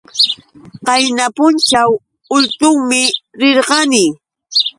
Qayna pućhaw ultuumi rirqani.